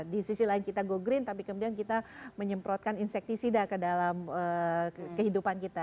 di sisi lain kita go green tapi kemudian kita menyemprotkan insekticida ke dalam kehidupan kita